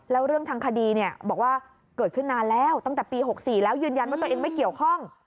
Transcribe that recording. แล้วเรื่องทางคดีบอกว่าเกิดขึ้นนานแล้วตั้งแต่ปี๖๔แล้วยืนยันว่าตัวเองไม่เกี่ยวข้อง